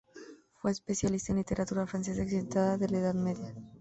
Fue especialista en literatura francesa y occitana de la Edad Media.